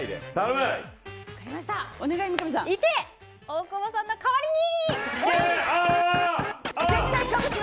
大久保さんの代わりに！